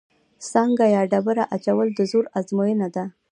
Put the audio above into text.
سانګه یا ډبره اچول د زور ازموینه ده.